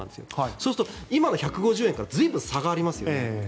そうすると今の１５０円から随分、差がありますよね。